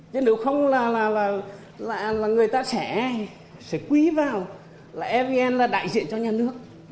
chứ nếu không là người ta sẽ quý vào là evn là đại diện cho nhà nước